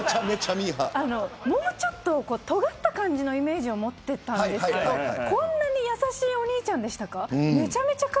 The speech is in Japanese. もう少しとがったイメージを持っていたんですけどこんなに優しいお兄ちゃんでしたか。